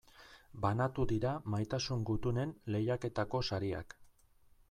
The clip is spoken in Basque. Banatu dira Maitasun Gutunen lehiaketako sariak.